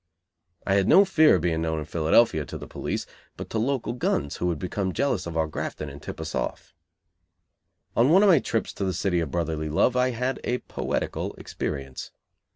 I had no fear of being known in Philadelphia to the police; but to local guns who would become jealous of our grafting and tip us off. On one of my trips to the City of Brotherly Love I had a poetical experience.